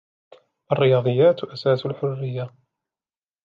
الرياضيات أساس الحرية.